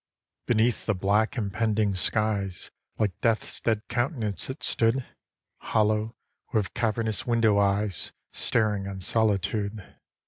III Beneath the black, impending skies, Like Death's dead countenance it stood, Hollow, with cavernous window eyes Staring on solitude.